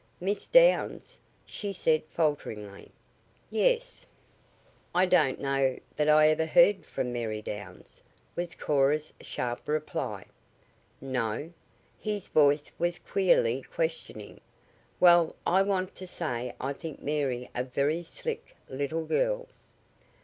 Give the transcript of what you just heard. "Miss Downs?" she said falteringly. "Yes." "I don't know that I ever hear from Mary Downs," was Cora's sharp reply. "No?" His voice was queerly questioning. "Well, I want to say I think Mary a very slick little girl."